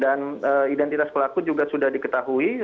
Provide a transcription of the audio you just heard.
dan identitas pelaku juga sudah diketahui